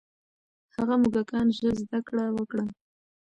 هغه موږکان ژر زده کړه وکړه.